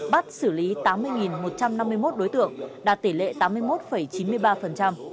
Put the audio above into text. bắt xử lý tám mươi một trăm năm mươi một đối tượng đạt tỷ lệ tám mươi một chín mươi ba